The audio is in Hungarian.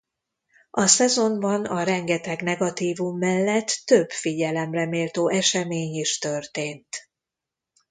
A szezonban a rengeteg negatívum mellett több figyelemreméltó esemény is történt.